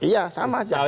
iya sama saja